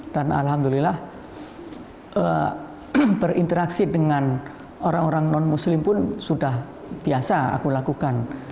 dan alhamdulillah berinteraksi dengan orang orang non muslim pun sudah biasa aku lakukan